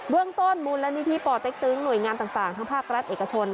เรื่องต้นมูลนิธิป่อเต็กตึงหน่วยงานต่างทั้งภาครัฐเอกชน